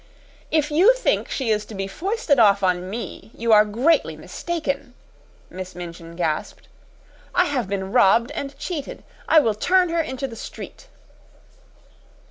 "If you think she is to be foisted off on me, you are greatly mistaken," Miss Minchin gasped. "I have been robbed and cheated; I will turn her into the street!"